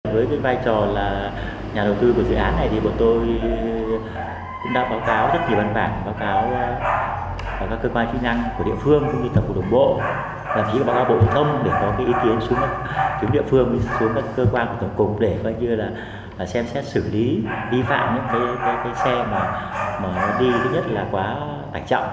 tuy nhiên các cơ quan kỹ năng của địa phương cũng như tổng cụ đồng bộ và bộ thông để có ý kiến xuống địa phương xuống các cơ quan của tổng cụ để xem xét xử lý vi phạm những xe mà đi rất là quá tải trọng